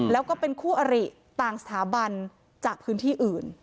แล้วก็เป็นคู่อริต่างสถาบันจากพื้นที่อื่น